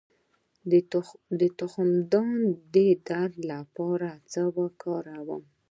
د تخمدان د درد لپاره باید څه وکړم؟